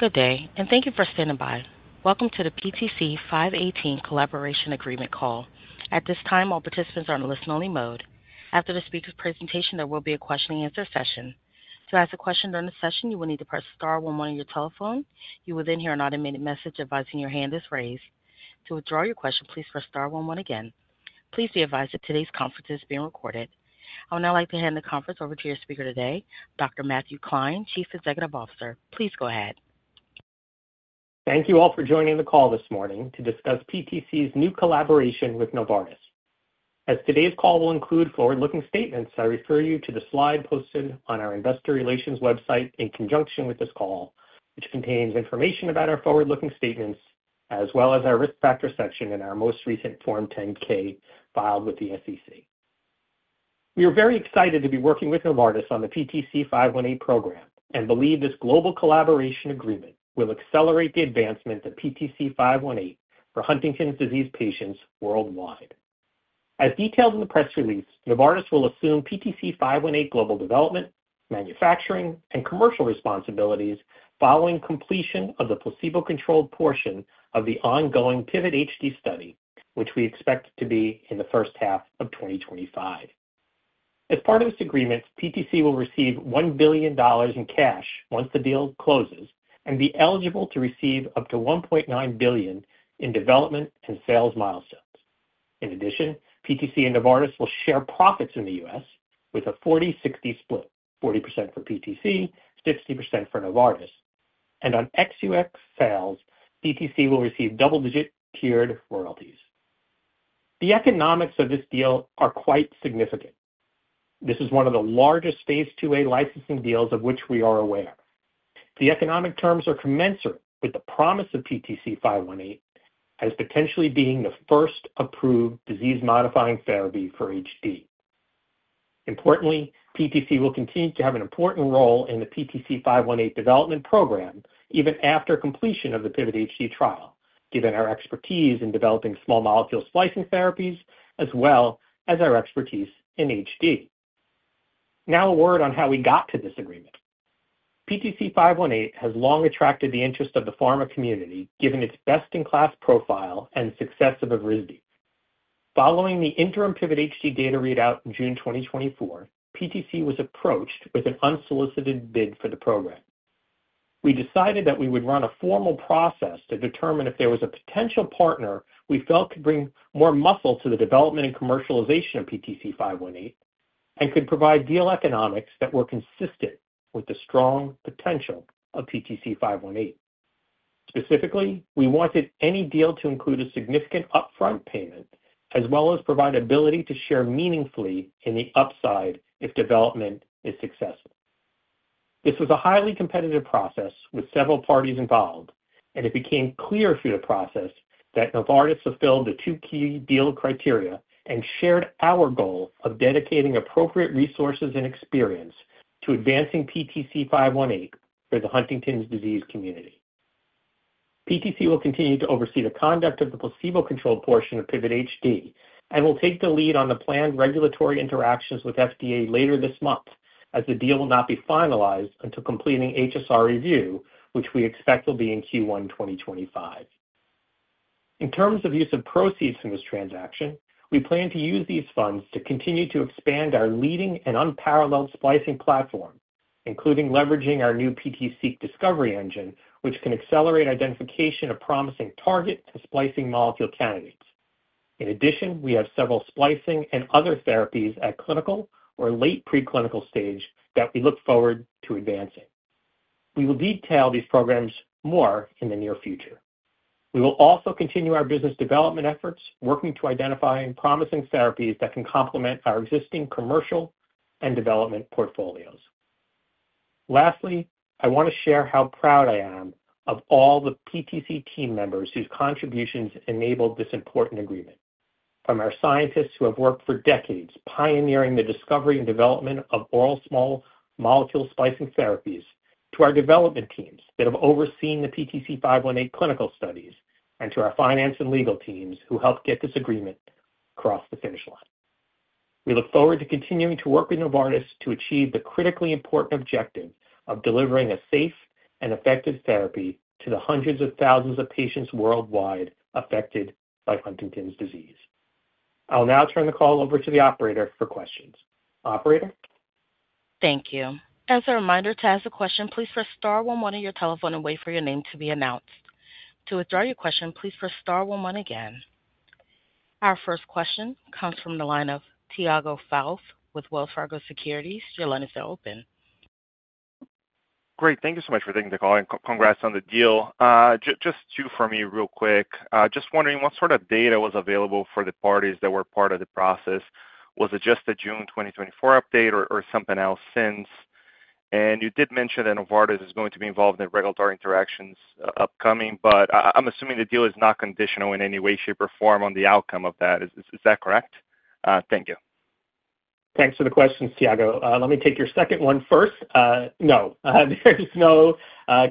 Good day, and thank you for standing by. Welcome to the PTC518 Collaboration Agreement Call. At this time, all participants are in a listen-only mode. After the speaker's presentation, there will be a question-and-answer session. To ask a question during the session, you will need to press star 11 on your telephone. You will then hear an automated message advising your hand is raised. To withdraw your question, please press star 11 again. Please be advised that today's conference is being recorded. I would now like to hand the conference over to your speaker today, Dr. Matthew Klein, Chief Executive Officer. Please go ahead. Thank you all for joining the call this morning to discuss PTC's new collaboration with Novartis. As today's call will include forward-looking statements, I refer you to the slide posted on our investor relations website in conjunction with this call, which contains information about our forward-looking statements as well as our risk factor section in our most recent Form 10-K filed with the SEC. We are very excited to be working with Novartis on the PTC518 program and believe this global collaboration agreement will accelerate the advancement of PTC518 for Huntington's disease patients worldwide. As detailed in the press release, Novartis will assume PTC518 global development, manufacturing, and commercial responsibilities following completion of the placebo-controlled portion of the ongoing PIVOT-HD study, which we expect to be in the first half of 2025. As part of this agreement, PTC will receive $1 billion in cash once the deal closes and be eligible to receive up to $1.9 billion in development and sales milestones. In addition, PTC and Novartis will share profits in the US with a 40/60 split: 40% for PTC, 60% for Novartis, and on ex-US sales, PTC will receive double-digit tiered royalties. The economics of this deal are quite significant. This is one of the largest Phase 2a licensing deals of which we are aware. The economic terms are commensurate with the promise of PTC518 as potentially being the first approved disease-modifying therapy for HD. Importantly, PTC will continue to have an important role in the PTC518 development program even after completion of the PIVOT-HD trial, given our expertise in developing small molecule splicing therapies as well as our expertise in HD. Now a word on how we got to this agreement. PTC518 has long attracted the interest of the pharma community, given its best-in-class profile and success of Evrysdi. Following the interim PIVOT-HD data readout in June 2024, PTC was approached with an unsolicited bid for the program. We decided that we would run a formal process to determine if there was a potential partner we felt could bring more muscle to the development and commercialization of PTC518 and could provide deal economics that were consistent with the strong potential of PTC518. Specifically, we wanted any deal to include a significant upfront payment as well as provide ability to share meaningfully in the upside if development is successful. This was a highly competitive process with several parties involved, and it became clear through the process that Novartis fulfilled the two key deal criteria and shared our goal of dedicating appropriate resources and experience to advancing PTC518 for the Huntington's disease community. PTC will continue to oversee the conduct of the placebo-controlled portion of PIVOT-HD and will take the lead on the planned regulatory interactions with FDA later this month, as the deal will not be finalized until completing HSR review, which we expect will be in Q1 2025. In terms of use of proceeds from this transaction, we plan to use these funds to continue to expand our leading and unparalleled splicing platform, including leveraging our new PTC Discovery Engine, which can accelerate identification of promising target and splicing molecule candidates. In addition, we have several splicing and other therapies at clinical or late preclinical stage that we look forward to advancing. We will detail these programs more in the near future. We will also continue our business development efforts, working to identify promising therapies that can complement our existing commercial and development portfolios. Lastly, I want to share how proud I am of all the PTC team members whose contributions enabled this important agreement. From our scientists who have worked for decades pioneering the discovery and development of oral small molecule splicing therapies to our development teams that have overseen the PTC518 clinical studies, and to our finance and legal teams who helped get this agreement across the finish line. We look forward to continuing to work with Novartis to achieve the critically important objective of delivering a safe and effective therapy to the hundreds of thousands of patients worldwide affected by Huntington's disease. I'll now turn the call over to the operator for questions. Operator? Thank you. As a reminder to ask a question, please press star 11 on your telephone and wait for your name to be announced. To withdraw your question, please press star 11 again. Our first question comes from the line of Tiago Fauth with Wells Fargo Securities. Your line is now open. Great. Thank you so much for taking the call and congrats on the deal. Just two from me real quick. Just wondering what sort of data was available for the parties that were part of the process. Was it just the June 2024 update or something else since? And you did mention that Novartis is going to be involved in the regulatory interactions upcoming, but I'm assuming the deal is not conditional in any way, shape, or form on the outcome of that. Is that correct? Thank you. Thanks for the question, Tiago. Let me take your second one first. No. There's no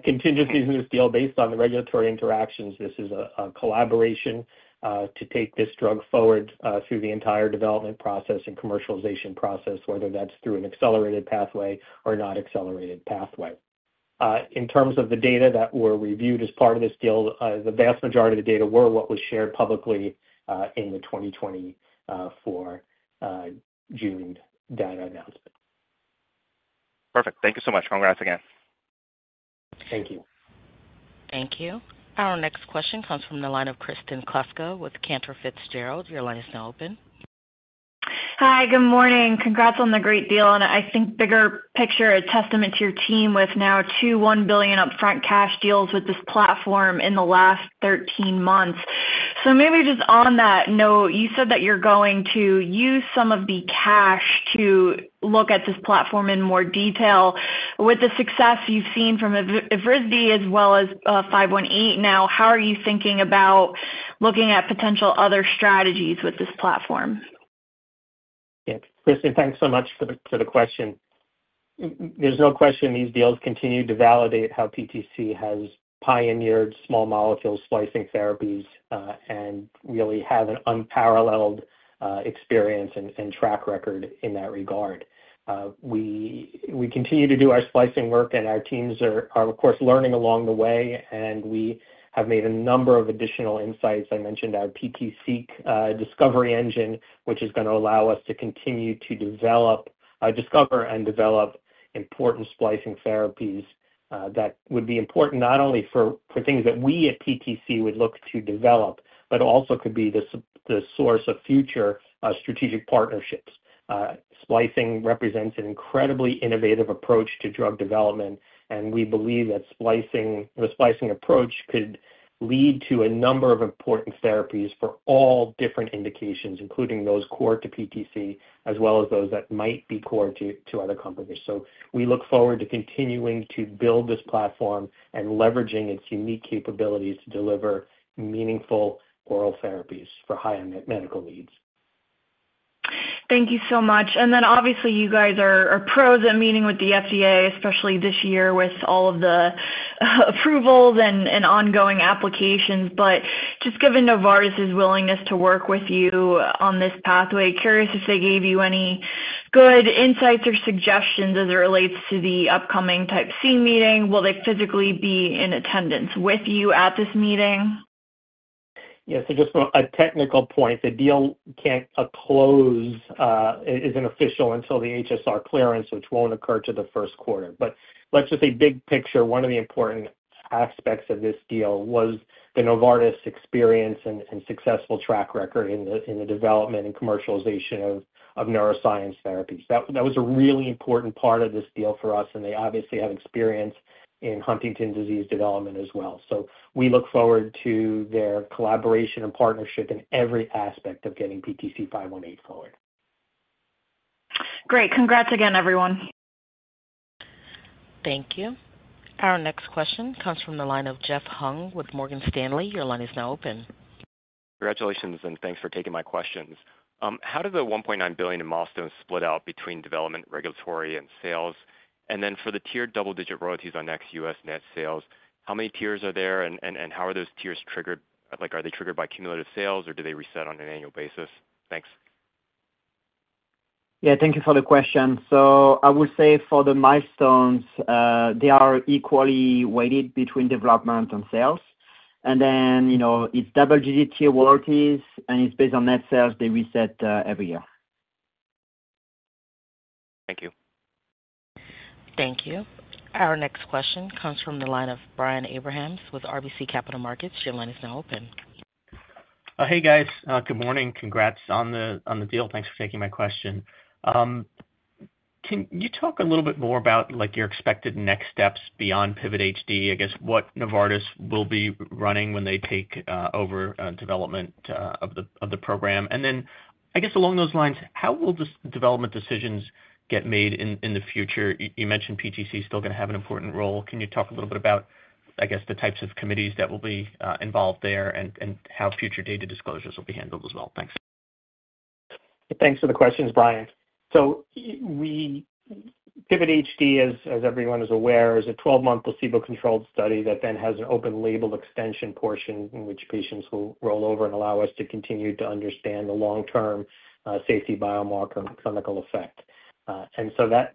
contingencies in this deal based on the regulatory interactions. This is a collaboration to take this drug forward through the entire development process and commercialization process, whether that's through an accelerated pathway or not accelerated pathway. In terms of the data that were reviewed as part of this deal, the vast majority of the data were what was shared publicly in the 2024 June data announcement. Perfect. Thank you so much. Congrats again. Thank you. Thank you. Our next question comes from the line of Kristen Kluska with Cantor Fitzgerald. Your line is now open. Hi. Good morning. Congrats on the great deal. And I think bigger picture, a testament to your team with now two $1 billion upfront cash deals with this platform in the last 13 months. So maybe just on that note, you said that you're going to use some of the cash to look at this platform in more detail. With the success you've seen from Evrysdi as well as 518 now, how are you thinking about looking at potential other strategies with this platform? Yes. Kristen, thanks so much for the question. There's no question these deals continue to validate how PTC has pioneered small molecule splicing therapies and really have an unparalleled experience and track record in that regard. We continue to do our splicing work, and our teams are, of course, learning along the way, and we have made a number of additional insights. I mentioned our PTC Discovery Engine, which is going to allow us to continue to develop, discover, and develop important splicing therapies that would be important not only for things that we at PTC would look to develop, but also could be the source of future strategic partnerships. Splicing represents an incredibly innovative approach to drug development, and we believe that the splicing approach could lead to a number of important therapies for all different indications, including those core to PTC as well as those that might be core to other companies. So we look forward to continuing to build this platform and leveraging its unique capabilities to deliver meaningful oral therapies for high-end medical needs. Thank you so much. And then, obviously, you guys are pros at meeting with the FDA, especially this year with all of the approvals and ongoing applications. But just given Novartis's willingness to work with you on this pathway, curious if they gave you any good insights or suggestions as it relates to the upcoming Type C meeting. Will they physically be in attendance with you at this meeting? Yes. So just from a technical point, the deal can't close. It isn't official until the HSR clearance, which won't occur till the Q1. But let's just say big picture, one of the important aspects of this deal was the Novartis experience and successful track record in the development and commercialization of neuroscience therapies. That was a really important part of this deal for us, and they obviously have experience in Huntington's disease development as well. So we look forward to their collaboration and partnership in every aspect of getting PTC518 forward. Great. Congrats again, everyone. Thank you. Our next question comes from the line of Jeff Hung with Morgan Stanley. Your line is now open. Congratulations, and thanks for taking my questions. How do the $1.9 billion in milestones split out between development, regulatory, and sales? And then for the tiered double-digit royalties on ex-US net sales, how many tiers are there, and how are those tiers triggered? Are they triggered by cumulative sales, or do they reset on an annual basis? Thanks. Yeah. Thank you for the question. So I would say for the milestones, they are equally weighted between development and sales. And then it's double-digit tier royalties, and it's based on net sales. They reset every year. Thank you. Thank you. Our next question comes from the line of Brian Abrahams with RBC Capital Markets. Your line is now open. Hey, guys. Good morning. Congrats on the deal. Thanks for taking my question. Can you talk a little bit more about your expected next steps beyond PIVOT-HD? I guess what Novartis will be running when they take over development of the program? And then, I guess along those lines, how will development decisions get made in the future? You mentioned PTC is still going to have an important role. Can you talk a little bit about, I guess, the types of committees that will be involved there and how future data disclosures will be handled as well? Thanks. Thanks for the questions, Brian. PIVOT-HD, as everyone is aware, is a 12-month placebo-controlled study that then has an open-label extension portion in which patients will roll over and allow us to continue to understand the long-term safety biomarker and clinical effect.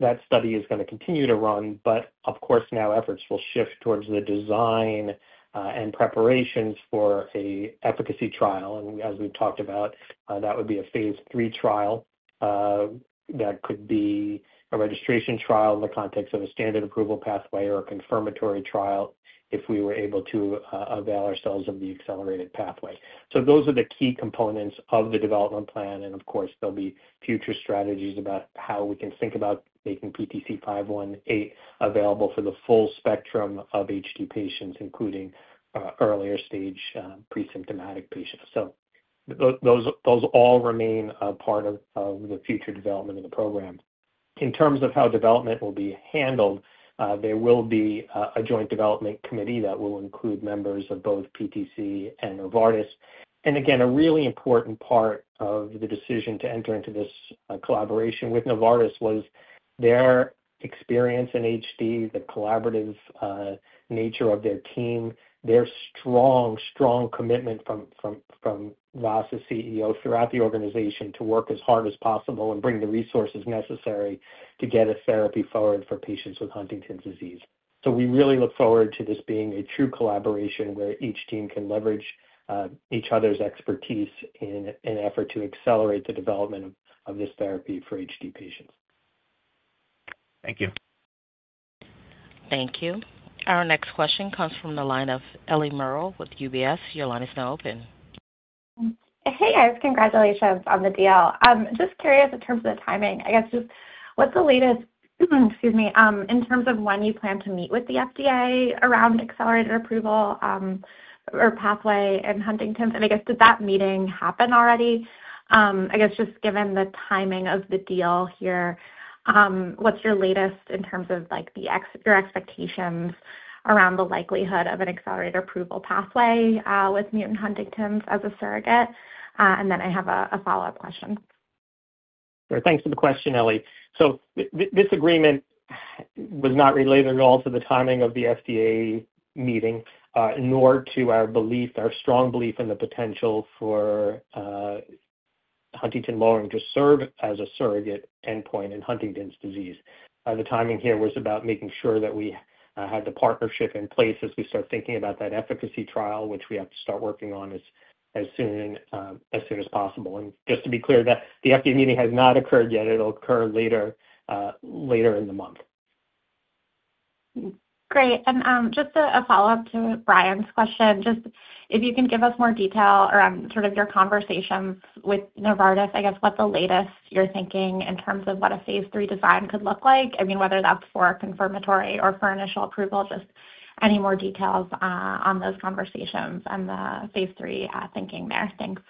That study is going to continue to run, but of course, now efforts will shift towards the design and preparations for an efficacy trial. As we've talked about, that would be a Phase 3 trial that could be a registration trial in the context of a standard approval pathway or a confirmatory trial if we were able to avail ourselves of the accelerated pathway. Those are the key components of the development plan. Of course, there'll be future strategies about how we can think about making PTC518 available for the full spectrum of HD patients, including earlier stage pre-symptomatic patients. Those all remain a part of the future development of the program. In terms of how development will be handled, there will be a joint development committee that will include members of both PTC and Novartis. Again, a really important part of the decision to enter into this collaboration with Novartis was their experience in HD, the collaborative nature of their team, their strong, strong commitment from Vas as CEO throughout the organization to work as hard as possible and bring the resources necessary to get a therapy forward for patients with Huntington's disease. So we really look forward to this being a true collaboration where each team can leverage each other's expertise in an effort to accelerate the development of this therapy for HD patients. Thank you. Thank you. Our next question comes from the line of Ellie Merle with UBS. Your line is now open. Hey, guys. Congratulations on the deal. Just curious in terms of the timing. I guess just what's the latest, excuse me, in terms of when you plan to meet with the FDA around accelerated approval or pathway in Huntington's? And I guess did that meeting happen already? I guess just given the timing of the deal here, what's your latest in terms of your expectations around the likelihood of an accelerated approval pathway with mutant huntingtin as a surrogate? And then I have a follow-up question. Sure. Thanks for the question, Ellie. So this agreement was not related at all to the timing of the FDA meeting, nor to our belief, our strong belief in the potential for huntingtin lowering to serve as a surrogate endpoint in Huntington's disease. The timing here was about making sure that we had the partnership in place as we start thinking about that efficacy trial, which we have to start working on as soon as possible. And just to be clear, the FDA meeting has not occurred yet. It'll occur later in the month. Great. Just a follow-up to Brian's question. Just if you can give us more detail around sort of your conversations with Novartis, I guess what's the latest you're thinking in terms of what a Phase 3 design could look like? I mean, whether that's for confirmatory or for initial approval, just any more details on those conversations and the Phase 3 thinking there. Thanks.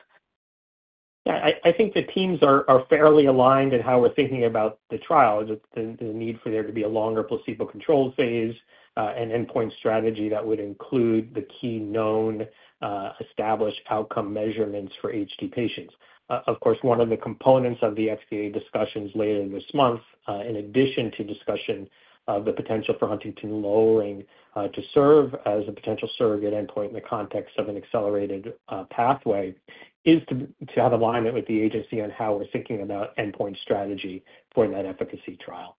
Yeah. I think the teams are fairly aligned in how we're thinking about the trial. There's a need for there to be a longer placebo-controlled phase and endpoint strategy that would include the key known established outcome measurements for HD patients. Of course, one of the components of the FDA discussions later this month, in addition to discussion of the potential for huntingtin lowering to serve as a potential surrogate endpoint in the context of an accelerated pathway, is to have alignment with the agency on how we're thinking about endpoint strategy for that efficacy trial.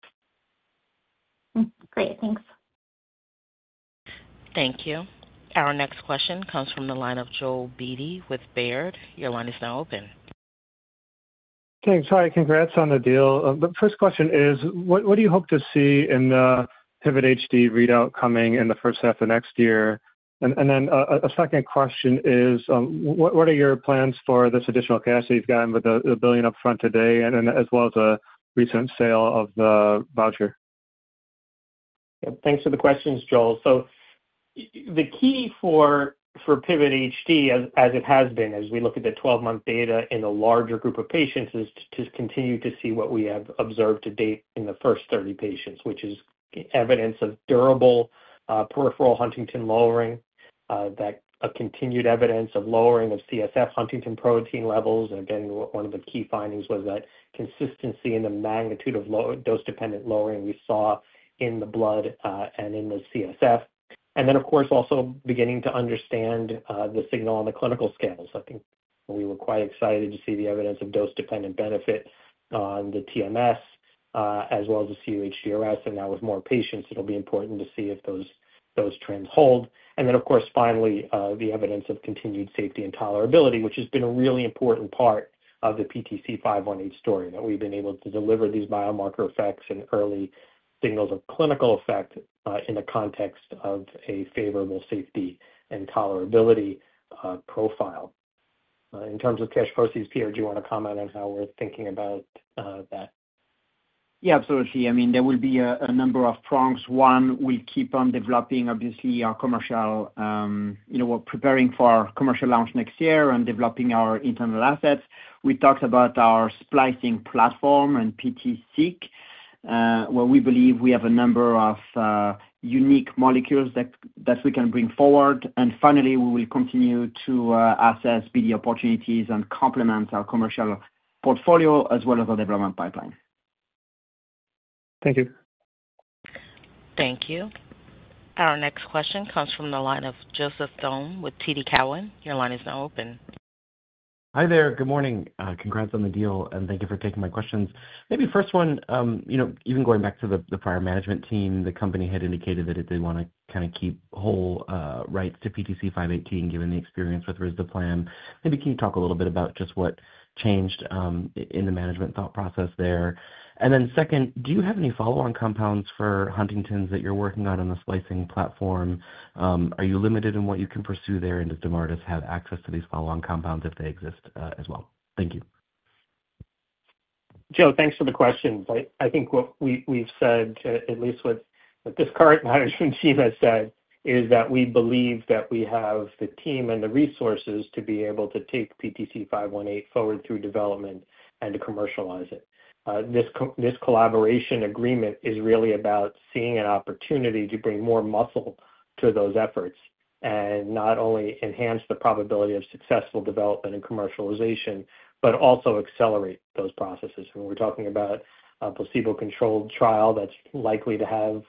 Great. Thanks. Thank you. Our next question comes from the line of Joel Beatty with Baird. Your line is now open. Thanks. Hi. Congrats on the deal. The first question is, what do you hope to see in the PIVOT-HD readout coming in the first half of next year? And then a second question is, what are your plans for this additional cash that you've gotten with the $1 billion upfront today, as well as a recent sale of the voucher? Yep. Thanks for the questions, Joel. So the key for PIVOT-HD, as it has been, as we look at the 12-month data in the larger group of patients, is to continue to see what we have observed to date in the first 30 patients, which is evidence of durable peripheral huntingtin lowering, a continued evidence of lowering of CSF huntingtin protein levels. And again, one of the key findings was that consistency in the magnitude of dose-dependent lowering we saw in the blood and in the CSF. And then, of course, also beginning to understand the signal on the clinical scales. I think we were quite excited to see the evidence of dose-dependent benefit on the TMS, as well as the cUHDRS. And now with more patients, it'll be important to see if those trends hold. And then, of course, finally, the evidence of continued safety and tolerability, which has been a really important part of the PTC518 story that we've been able to deliver these biomarker effects and early signals of clinical effect in the context of a favorable safety and tolerability profile. In terms of cash proceeds, Pierre, do you want to comment on how we're thinking about that? Yeah, absolutely. I mean, there will be a number of prongs. One will keep on developing, obviously, our commercial, we're preparing for our commercial launch next year and developing our internal assets. We talked about our splicing platform and PTC, where we believe we have a number of unique molecules that we can bring forward. And finally, we will continue to assess the opportunities and complement our commercial portfolio as well as our development pipeline. Thank you. Thank you. Our next question comes from the line of Joseph Thome with TD Cowen. Your line is now open. Hi there. Good morning. Congrats on the deal, and thank you for taking my questions. Maybe first one, even going back to the prior management team, the company had indicated that it did want to kind of keep whole rights to PTC518 given the experience with risdiplam. Maybe can you talk a little bit about just what changed in the management thought process there? And then second, do you have any follow-on compounds for Huntington's that you're working on in the splicing platform? Are you limited in what you can pursue there, and does Novartis have access to these follow-on compounds if they exist as well? Thank you. Joe, thanks for the questions. I think what we've said, at least with this current management team, is that we believe that we have the team and the resources to be able to take PTC518 forward through development and to commercialize it. This collaboration agreement is really about seeing an opportunity to bring more muscle to those efforts and not only enhance the probability of successful development and commercialization, but also accelerate those processes. And we're talking about a placebo-controlled trial that's likely to have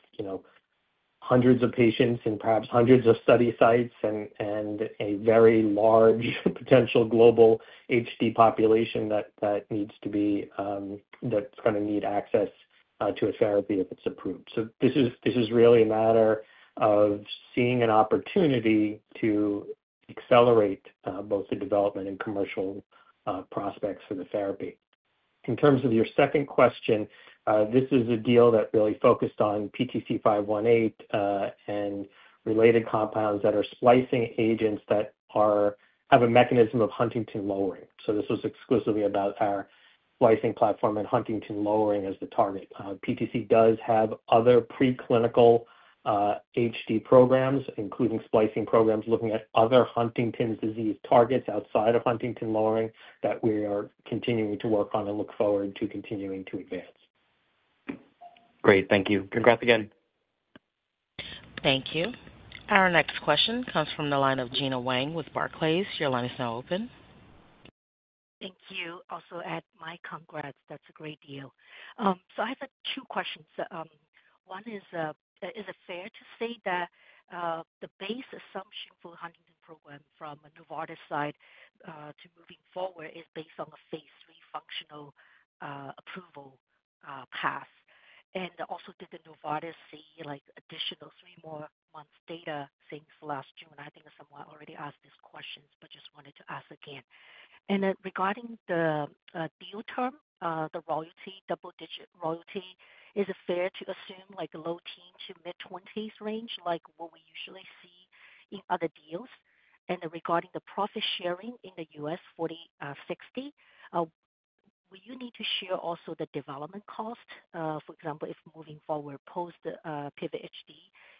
hundreds of patients and perhaps hundreds of study sites and a very large potential global HD population that needs to be, that's going to need access to a therapy if it's approved. So this is really a matter of seeing an opportunity to accelerate both the development and commercial prospects for the therapy. In terms of your second question, this is a deal that really focused on PTC518 and related compounds that are splicing agents that have a mechanism of huntingtin lowering. So this was exclusively about our splicing platform and huntingtin lowering as the target. PTC does have other preclinical HD programs, including splicing programs looking at other Huntington's disease targets outside of huntingtin lowering that we are continuing to work on and look forward to continuing to advance. Great. Thank you. Congrats again. Thank you. Our next question comes from the line of Gina Wang with Barclays. Your line is now open. Thank you. Also, add, my congrats. That's a great deal. So I have two questions. One is, is it fair to say that the base assumption for the Huntington program from Novartis' side to moving forward is based on a Phase 3 functional approval path? And also, did Novartis see additional three more months' data since last June? I think someone already asked this question, but just wanted to ask again. And regarding the deal term, the royalty, double-digit royalty, is it fair to assume a low teens to mid-20s range like what we usually see in other deals? And regarding the profit sharing in the U.S. 40/60, will you need to share also the development cost? For example, if moving forward post PIVOT-HD,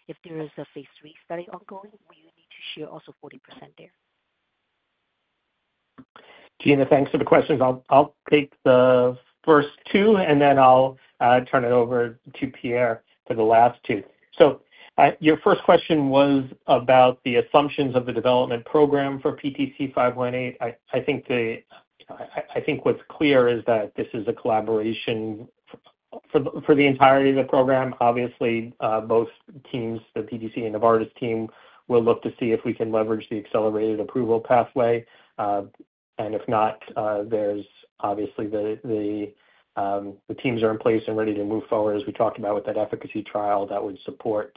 if there is a Phase 3 study ongoing, will you need to share also 40% there? Gina, thanks for the questions. I'll take the first two, and then I'll turn it over to Pierre for the last two. So your first question was about the assumptions of the development program for PTC518. I think what's clear is that this is a collaboration for the entirety of the program. Obviously, both teams, the PTC and Novartis team, will look to see if we can leverage the accelerated approval pathway. And if not, obviously, the teams are in place and ready to move forward, as we talked about with that efficacy trial that would support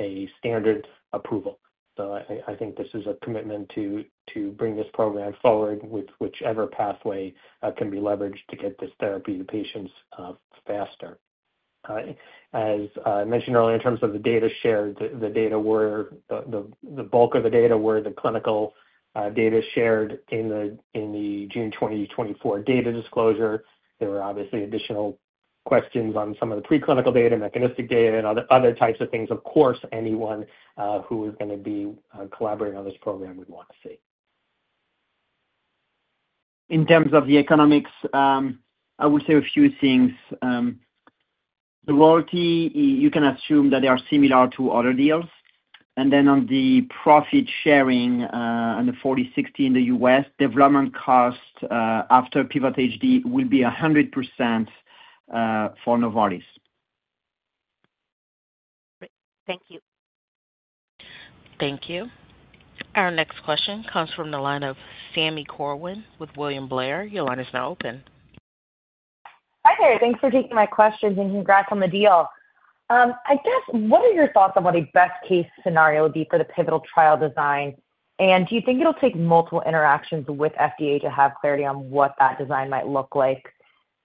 a standard approval. So I think this is a commitment to bring this program forward with whichever pathway can be leveraged to get this therapy to patients faster. As I mentioned earlier, in terms of the data shared, the bulk of the data were the clinical data shared in the June 2024 data disclosure. There were obviously additional questions on some of the preclinical data, mechanistic data, and other types of things, of course, anyone who is going to be collaborating on this program would want to see. In terms of the economics, I will say a few things. The royalty, you can assume that they are similar to other deals. And then on the profit sharing and the 40/60 in the U.S., development cost after PIVOT-HD will be 100% for Novartis. Great. Thank you. Thank you. Our next question comes from the line of Sami Corwin with William Blair. Your line is now open. Hi there. Thanks for taking my questions, and congrats on the deal. I guess, what are your thoughts on what a best-case scenario would be for the pivotal trial design? And do you think it'll take multiple interactions with FDA to have clarity on what that design might look like?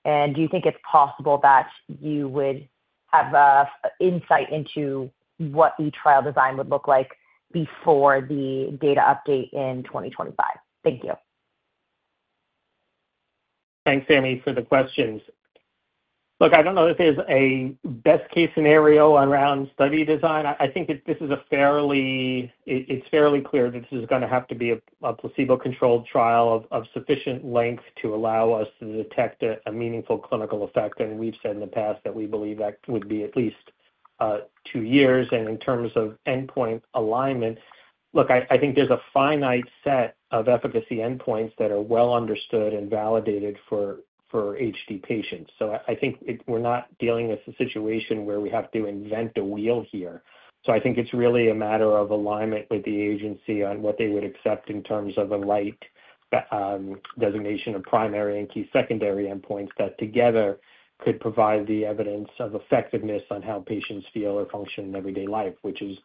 And do you think it's possible that you would have insight into what the trial design would look like before the data update in 2025? Thank you. Thanks, Sami, for the questions. Look, I don't know if there's a best-case scenario around study design. I think this is fairly clear that this is going to have to be a placebo-controlled trial of sufficient length to allow us to detect a meaningful clinical effect. And we've said in the past that we believe that would be at least two years. And in terms of endpoint alignment, look, I think there's a finite set of efficacy endpoints that are well understood and validated for HD patients. So I think we're not dealing with a situation where we have to reinvent the wheel here. I think it's really a matter of alignment with the agency on what they would accept in terms of a likely designation of primary and key secondary endpoints that together could provide the evidence of effectiveness on how patients feel or function in everyday life, which is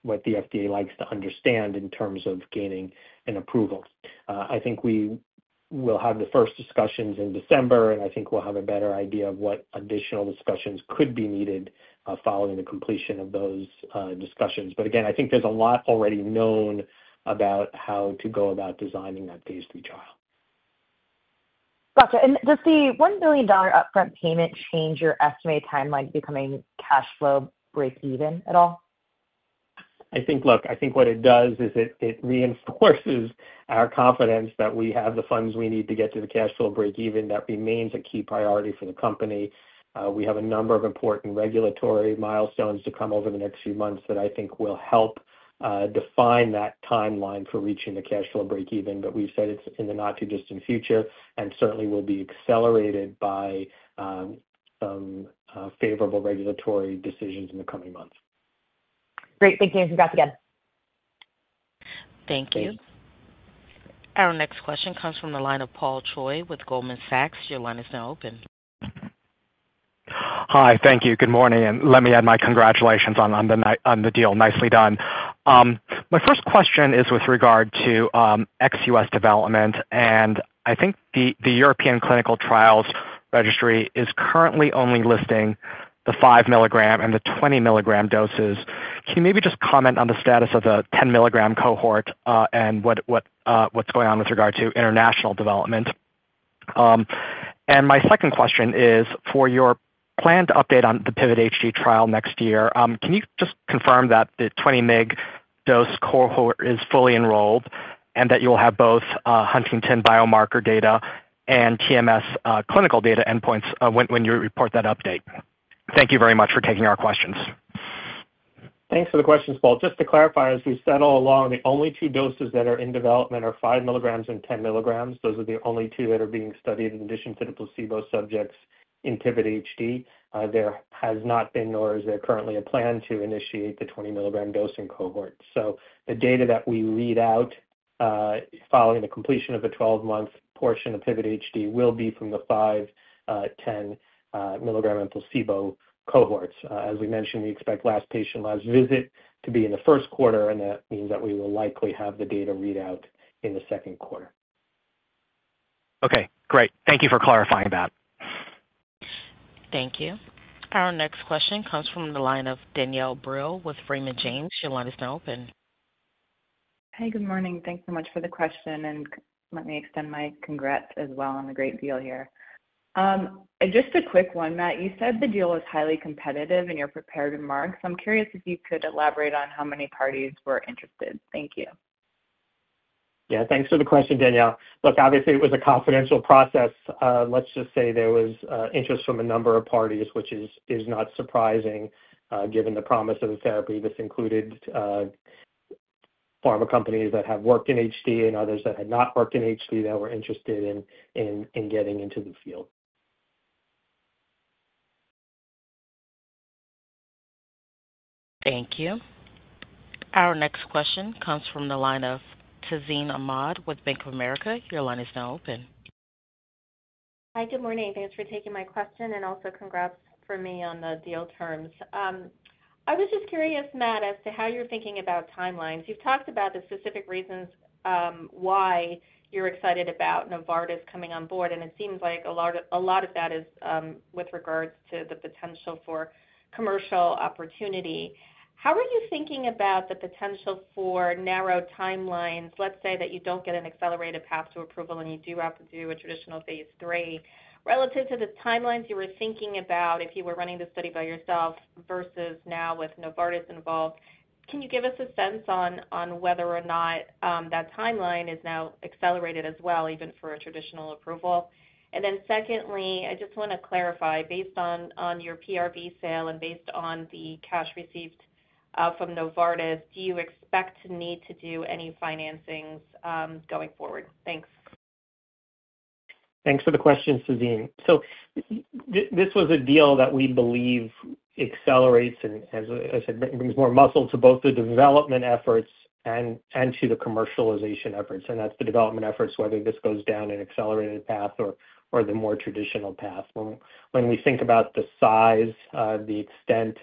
what the FDA likes to understand in terms of gaining an approval. I think we will have the first discussions in December, and I think we'll have a better idea of what additional discussions could be needed following the completion of those discussions. Again, I think there's a lot already known about how to go about designing that phase three trial. Gotcha, and does the $1 billion upfront payment change your estimated timeline to becoming cash flow break-even at all? I think, look, I think what it does is it reinforces our confidence that we have the funds we need to get to the cash flow break-even that remains a key priority for the company. We have a number of important regulatory milestones to come over the next few months that I think will help define that timeline for reaching the cash flow break-even, but we've said it's in the not-too-distant future, and certainly will be accelerated by some favorable regulatory decisions in the coming months. Great. Thank you. Congrats again. Thank you. Our next question comes from the line of Paul Choi with Goldman Sachs. Your line is now open. Hi. Thank you. Good morning, and let me add my congratulations on the deal. Nicely done. My first question is with regard to ex-US development. And I think the European Clinical Trials Registry is currently only listing the 5 milligram and the 20 milligram doses. Can you maybe just comment on the status of the 10 milligram cohort and what's going on with regard to international development? And my second question is, for your planned update on the PIVOT-HD trial next year, can you just confirm that the 20-mg dose cohort is fully enrolled and that you'll have both Huntington's biomarker data and TMS clinical data endpoints when you report that update? Thank you very much for taking our questions. Thanks for the questions, Paul. Just to clarify, as we said, all along, the only two doses that are in development are 5 milligrams and 10 milligrams. Those are the only two that are being studied in addition to the placebo subjects in PIVOT-HD. There has not been, nor is there currently, a plan to initiate the 20-milligram dosing cohort. So the data that we read out following the completion of the 12-month portion of PIVOT-HD will be from the 5, 10-milligram and placebo cohorts. As we mentioned, we expect last patient, last visit to be in the Q1, and that means that we will likely have the data read out in the Q2. Okay. Great. Thank you for clarifying that. Thank you. Our next question comes from the line of Danielle Brill with Raymond James. Your line is now open. Hi. Good morning. Thanks so much for the question. And let me extend my congrats as well on the great deal here. And just a quick one, Matt, you said the deal was highly competitive and you're prepared to walk. So I'm curious if you could elaborate on how many parties were interested. Thank you. Yeah. Thanks for the question, Danielle. Look, obviously, it was a confidential process. Let's just say there was interest from a number of parties, which is not surprising given the promise of a therapy. This included pharma companies that have worked in HD and others that had not worked in HD that were interested in getting into the field. Thank you. Our next question comes from the line of Tazeen Ahmad with Bank of America. Your line is now open. Hi. Good morning. Thanks for taking my question, and also congrats from me on the deal terms. I was just curious, Matt, as to how you're thinking about timelines. You've talked about the specific reasons why you're excited about Novartis coming on board, and it seems like a lot of that is with regards to the potential for commercial opportunity. How are you thinking about the potential for narrow timelines? Let's say that you don't get an accelerated path to approval and you do have to do a traditional phase three. Relative to the timelines you were thinking about if you were running the study by yourself versus now with Novartis involved, can you give us a sense on whether or not that timeline is now accelerated as well, even for a traditional approval? Secondly, I just want to clarify, based on your PRV sale and based on the cash received from Novartis, do you expect to need to do any financings going forward? Thanks. Thanks for the question, Tazeen. So this was a deal that we believe accelerates and, as I said, brings more muscle to both the development efforts and to the commercialization efforts. And that's the development efforts, whether this goes down an accelerated path or the more traditional path. When we think about the size, the extent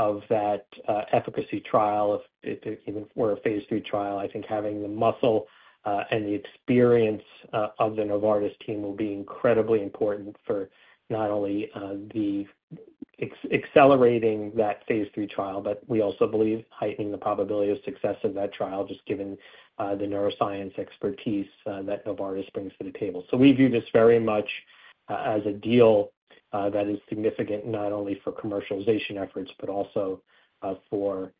of that efficacy trial, if it were a phase three trial, I think having the muscle and the experience of the Novartis team will be incredibly important for not only accelerating that phase three trial, but we also believe heightening the probability of success of that trial, just given the neuroscience expertise that Novartis brings to the table. So we view this very much as a deal that is significant not only for commercialization efforts, but also for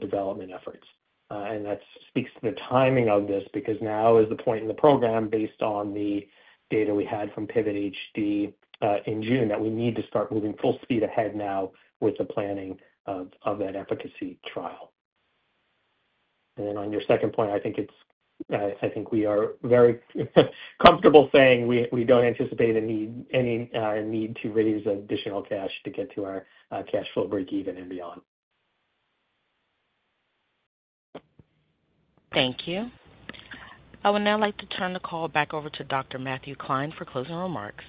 development efforts. That speaks to the timing of this because now is the point in the program based on the data we had from PIVOT-HD in June that we need to start moving full speed ahead now with the planning of that efficacy trial. Then on your second point, I think we are very comfortable saying we don't anticipate any need to raise additional cash to get to our cash flow break-even and beyond. Thank you. I would now like to turn the call back over to Dr. Matthew Klein for closing remarks.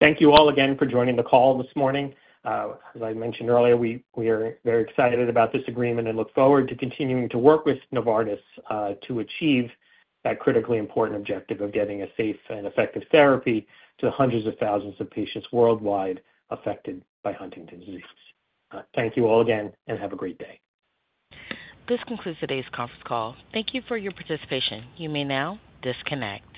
Thank you all again for joining the call this morning. As I mentioned earlier, we are very excited about this agreement and look forward to continuing to work with Novartis to achieve that critically important objective of getting a safe and effective therapy to hundreds of thousands of patients worldwide affected by Huntington's disease. Thank you all again, and have a great day. This concludes today's conference call. Thank you for your participation. You may now disconnect.